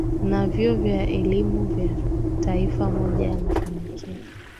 na vyuo vya elimu ya taifa Moja ya mafanikio